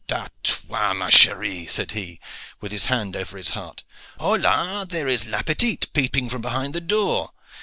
"A toi, ma cherie!" said he, with his hand over his heart. "Hola! there is la petite peeping from behind the door.